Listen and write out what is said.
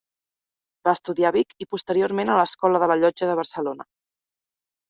Va estudiar a Vic i posteriorment a l'Escola de la Llotja de Barcelona.